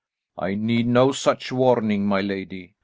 "I need no such warning, my lady.